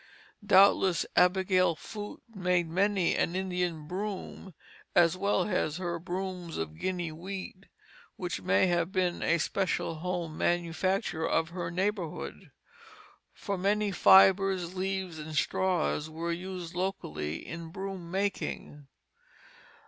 Doubtless Abigail Foote made many an "Indian broom," as well as her brooms of Guinea wheat, which may have been a special home manufacture of her neighborhood; for many fibres, leaves, and straws were used locally in broom making.